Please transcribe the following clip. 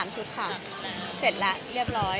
ชุดค่ะเสร็จแล้วเรียบร้อย